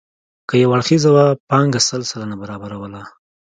که یو اړخیزه وه پانګه سل سلنه برابروله.